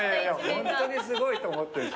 ホントにすごいと思って。